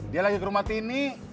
dia lagi ke rumah tini